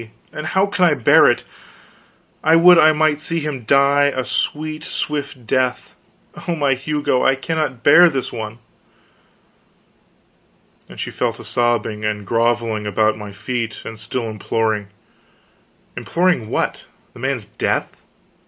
And how can I bear it? I would I might see him die a sweet, swift death; oh, my Hugo, I cannot bear this one!" And she fell to sobbing and grovelling about my feet, and still imploring. Imploring what? The man's death?